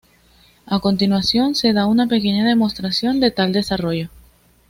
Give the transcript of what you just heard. A continuación se da una pequeña demostración de tal desarrollo.